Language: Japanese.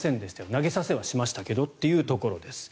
投げさせはしましたがというところです。